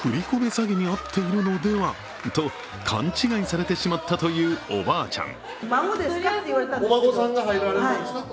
詐欺に遭っているのではと勘違いされてしまったというおばあちゃん。